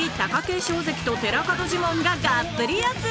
景勝関と寺門ジモンががっぷり四つ！